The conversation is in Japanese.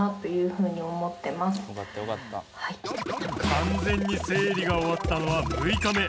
完全に生理が終わったのは６日目。